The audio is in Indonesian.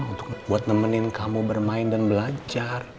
untuk buat nemenin kamu bermain dan belajar